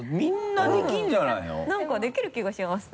なんかできる気がします。